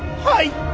はい。